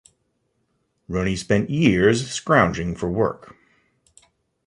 Roney spent years scrounging for work.